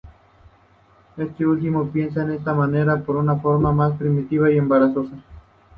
Este último piensa de esta manera por su "forma más primitiva y embarazosa".